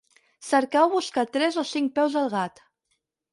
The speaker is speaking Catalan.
Cercar o Buscar tres o cinc peus al gat.